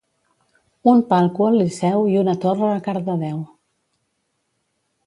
Un palco al Liceu i una torre a Cardedeu